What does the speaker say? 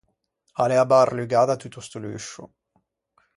A l’ea abbarlugâ da tutto sto luscio.